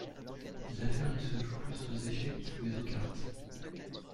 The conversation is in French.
Les affaires ne se jouent plus aux échecs, mais aux cartes.